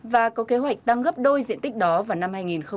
và có kế hoạch tăng gấp đôi diện tích đó vào năm hai nghìn hai mươi